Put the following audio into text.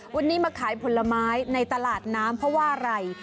วันนี้มาขายผลไม้ในตลาดน้ำเพราะว่าอะไร